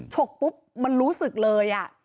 ฉกปุ๊บมันรู้สึกเลย